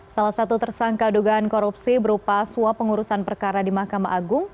salah satu tersangka dugaan korupsi berupa suap pengurusan perkara di mahkamah agung